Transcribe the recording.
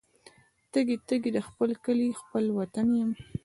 تږي، تږي د خپل کلي خپل وطن یم